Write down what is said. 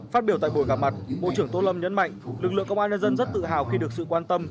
phát biểu tại buổi gặp mặt bộ trưởng tô lâm nhấn mạnh lực lượng công an nhân dân rất tự hào khi được sự quan tâm